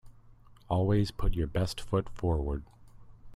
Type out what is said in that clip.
Always put your best foot forward.